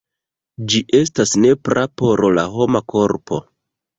Ĝi estas nepra por la homa korpo.